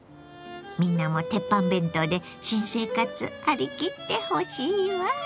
みんなもテッパン弁当で新生活張り切ってほしいわ。